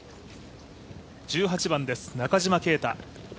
１８番です、中島啓太。